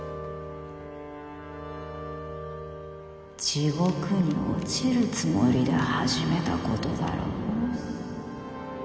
地獄に落ちるつもりで始めたことだろ？